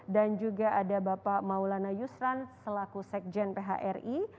juga ada bapak maulana yusran selaku sekjen phri